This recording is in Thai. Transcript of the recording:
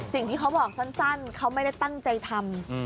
สิ่งที่เขาบอกสั้นเขาไม่ได้ตั้งใจทำ